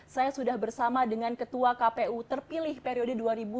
saya sudah bersama dengan ketua kpu terpilih periode dua ribu dua puluh dua dua ribu dua puluh tujuh